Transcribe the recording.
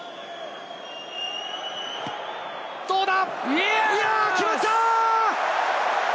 どうだ？